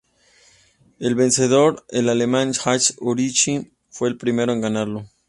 El vencedor, el alemán Jan Ullrich, fue el primero en ganarlo.